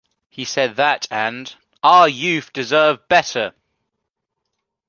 He said that" and "Our youth deserve better!!